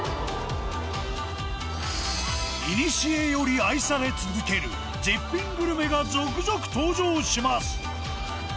古より愛され続ける絶品グルメが続々登場します。